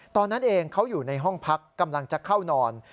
ตอนนั้นเองเขาอยู่ในห้องพักกำลังจะเข้านอน